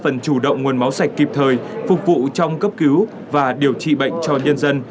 phần chủ động nguồn máu sạch kịp thời phục vụ trong cấp cứu và điều trị bệnh cho nhân dân